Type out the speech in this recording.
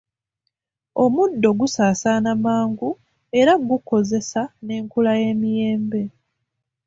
Omuddo gusaasaana mangu era gukosezza n'enkula y'emiyembe.